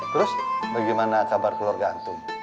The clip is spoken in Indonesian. terus bagaimana kabar keluarga antung